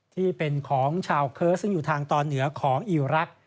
ที่เป็นของชาวเคิร์สซึ่งอยู่ทางตอนเหนือของอีรักษ